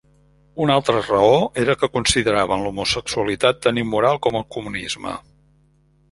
Una altra raó era que consideraven l'homosexualitat tan immoral com el comunisme.